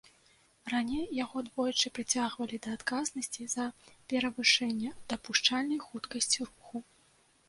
Раней яго двойчы прыцягвалі да адказнасці за перавышэнне дапушчальнай хуткасці руху.